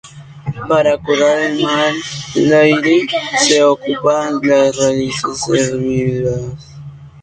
Para curar el mal aire se ocupan las raíces hervidas.